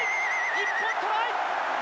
日本、トライ！